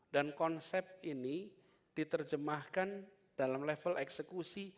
dan konsep ini diterjemahkan dalam level eksekusi